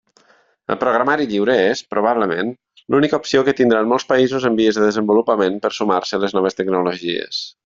El programari lliure és, probablement, l'única opció que tindran molts països en vies de desenvolupament per sumar-se a les noves tecnologies.